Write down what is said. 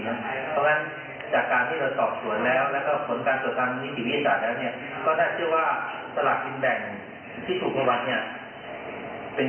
ก็ได้เชื่อว่าสลักกินแบ่งที่ถูกประวัติเนี่ย